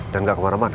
dan enggak kemana mana